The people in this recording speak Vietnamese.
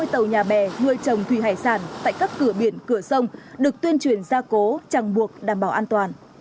một mươi hai trăm sáu mươi tàu nhà bè nuôi trồng thủy hải sản tại các cửa biển cửa sông được tuyên truyền ra cố chẳng buộc đảm bảo an toàn